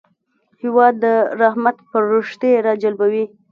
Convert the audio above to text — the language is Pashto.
هېواد د رحمت پرښتې راجلبوي.